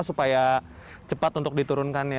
supaya cepat untuk diturunkannya